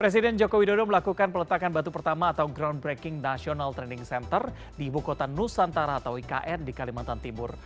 presiden joko widodo melakukan peletakan batu pertama atau groundbreaking national training center di ibu kota nusantara atau ikn di kalimantan timur